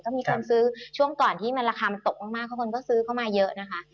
ก็มีคนซื้อช่วงก่อนที่มันราคามันตกมากเพราะคนก็ซื้อเข้ามาเยอะนะคะ